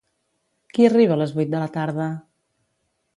Qui arriba a les vuit de la tarda?